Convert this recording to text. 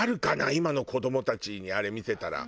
今の子どもたちにあれ見せたら。